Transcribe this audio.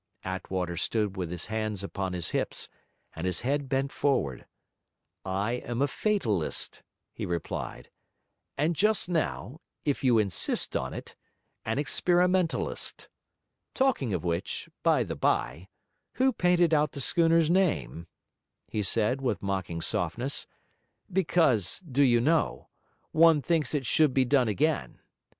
Attwater stood with his hands upon his hips, and his head bent forward. 'I am a fatalist,' he replied, 'and just now (if you insist on it) an experimentalist. Talking of which, by the bye, who painted out the schooner's name?' he said, with mocking softness, 'because, do you know? one thinks it should be done again.